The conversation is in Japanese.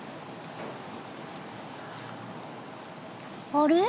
あれ？